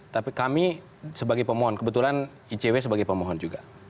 tapi kami sebagai pemohon kebetulan icw sebagai pemohon juga